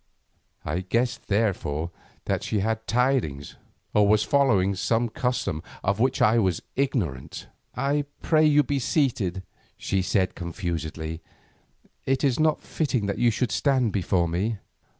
I guessed therefore that she had tidings, or was following some custom of which I was ignorant. "I pray you be seated," she said confusedly; "it is not fitting that you should stand before me."